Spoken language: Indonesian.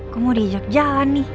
gue mau di ajak jalan nih